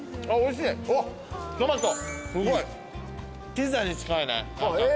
ピザに近いね。